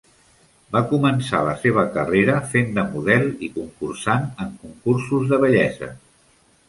Va començar la seva carrera fent de model i concursant en concursos de bellesa.